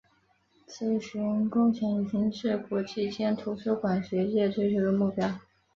资讯共享已经是国际间图书馆学界追求的目标。